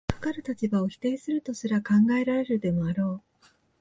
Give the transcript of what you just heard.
かかる立場を否定するとすら考えられるでもあろう。